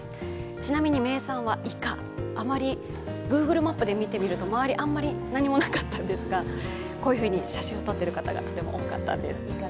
ちなみに名産はイカ、あまりグーグルマップで見てみると周りあんまりなかったんですが、こういうふうに写真を撮っている方がとても多かったんです。